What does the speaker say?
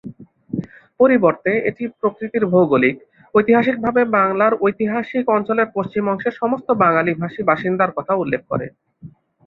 পরিবর্তে, এটি প্রকৃতির ভৌগোলিক, ঐতিহাসিকভাবে বাংলার ঐতিহাসিক অঞ্চলের পশ্চিম অংশের সমস্ত বাঙালি-ভাষী বাসিন্দার কথা উল্লেখ করে।